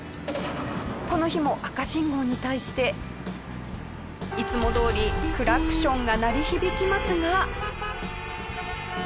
この日も赤信号に対していつもどおりクラクションが鳴り響きますが。